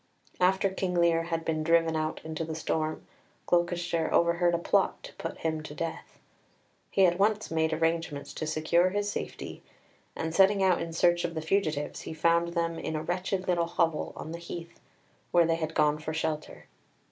After King Lear had been driven out into the storm, Gloucester overheard a plot to put him to death. He at once made arrangements to secure his safety, and, setting out in search of the fugitives, he found them in a wretched little hovel on the heath, where they had gone for shelter.